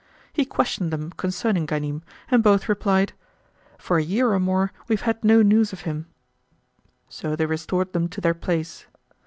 He questioned them concerning Ghanim and both replied, "For a year or more we have had no news of him." So they restored them to their place.